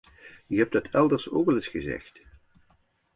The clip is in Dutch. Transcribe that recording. U hebt het elders ook al eens gezegd.